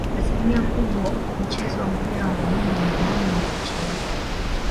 Asilimia kubwa mchezo wa mpira wa miguu ni miongoni mwa michezo